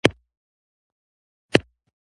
دا ناول د کرونا وبا په وخت کې ليکل شوى